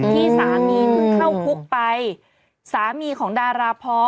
ที่สามีเข้าคุกไปสามีของดาราพ